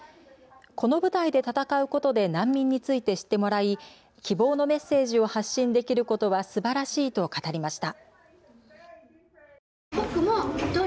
この舞台で戦うことで難民について知ってもらい、希望のメッセージを発信できることはすばらしいと語りました。